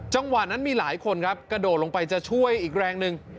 จังหวะนั้นมีหลายคนครับกระโดดลงไปจะช่วยอีกแรงหนึ่ง